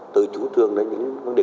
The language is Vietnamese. từ chủ trường đến những vấn đề